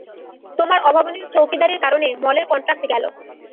তোমার অভাবনীয় চৌকিদারির কারণে, মলের কন্ট্রাক্ট গেলো।